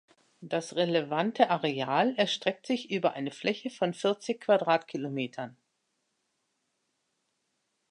Das relevante Areal erstreckt sich über eine Fläche von vierzig Quadratkilometern.